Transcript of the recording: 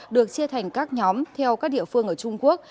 được chia thành các nhóm theo các địa phương ở trung quốc